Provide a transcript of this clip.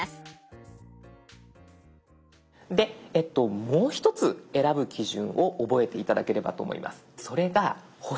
でもう一つ選ぶ基準を覚えて頂ければと思います。